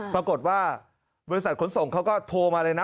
บริษัทขนส่งเขาก็โทรมาเลยนะ